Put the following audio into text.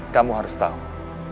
kamu harus tahu